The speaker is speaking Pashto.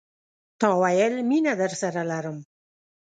تا ويل، میینه درسره لرم